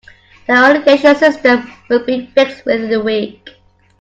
The irrigation system will be fixed within a week.